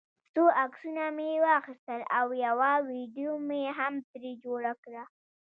څو عکسونه مې واخیستل او یوه ویډیو مې هم ترې جوړه کړه.